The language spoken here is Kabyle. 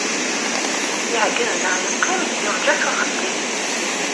Yeɛgez neɣ yeqqim, yerǧa-t uxeddim.